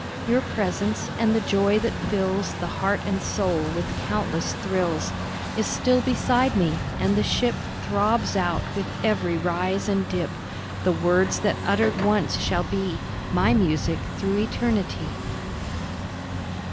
Your presence, and the joy that fills The heart and soul with countless thrills Is still beside me, and the ship Throbs out with every rise and dip The words that uttered once shall be My music through eternity.